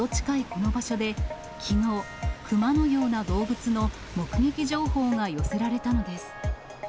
この場所できのう、クマのような動物の目撃情報が寄せられたのです。